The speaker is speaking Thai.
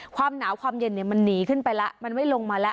ความหนาวความเย็นเนี่ยมันหนีขึ้นไปแล้วมันไม่ลงมาแล้ว